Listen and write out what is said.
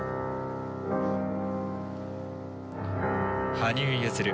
羽生結弦